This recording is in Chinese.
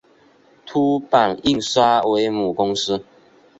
凸版印刷为母公司。